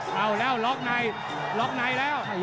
โหแล้วล็อกไนต์ล็อกไนต์แล้ว